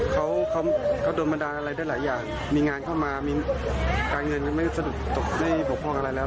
เขาเขาโดนบันดาลอะไรได้หลายอย่างมีงานเข้ามามีการเงินยังไม่สรุปไม่บกพ่องอะไรแล้ว